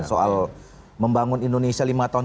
soal membangun indonesia lima tahun